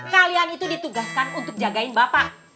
kalian itu ditugaskan untuk jagain bapak